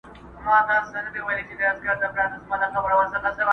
پر اوربل به دي نازکي، باران وي، او زه به نه یم؛